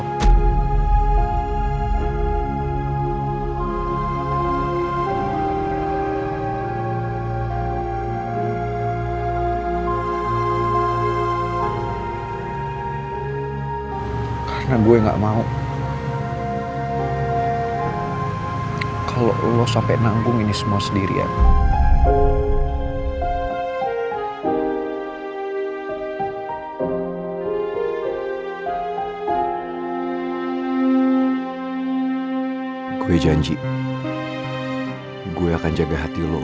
tapi gue gak akan biarin siapa pun nyakitin lo